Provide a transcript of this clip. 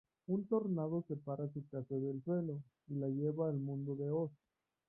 Un tornado separa su casa del suelo y la lleva al Mundo de Oz.